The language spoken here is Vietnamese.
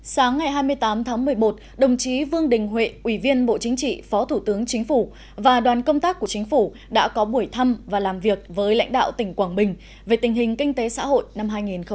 sáng ngày hai mươi tám tháng một mươi một đồng chí vương đình huệ ủy viên bộ chính trị phó thủ tướng chính phủ và đoàn công tác của chính phủ đã có buổi thăm và làm việc với lãnh đạo tỉnh quảng bình về tình hình kinh tế xã hội năm hai nghìn một mươi chín